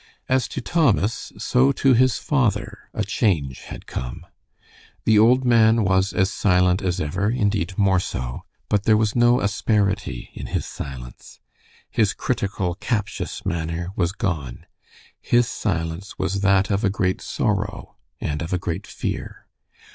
As to Thomas so to his father a change had come. The old man was as silent as ever, indeed more so, but there was no asperity in his silence. His critical, captious manner was gone. His silence was that of a great sorrow, and of a great fear.